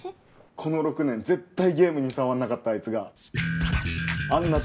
この６年絶対ゲームに触んなかったあいつがあんな